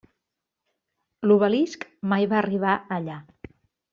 L'obelisc mai va arribar allà.